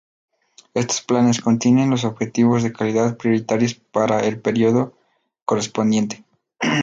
Estos planes contienen los objetivos de calidad prioritarios para el período correspondiente.